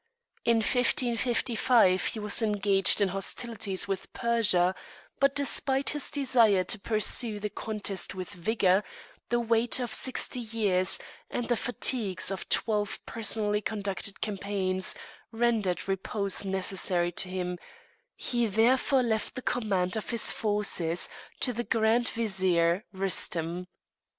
In 1555 he was engaged in hostilities with Persia, but, despite his desire to pursue the contest with vigour, the weight of sixty years, and the fatigues of twelve personally conducted campaigns, rendered repose necessary to him; he, therefore, left the command of his forces to the Grand Vizier Rustem.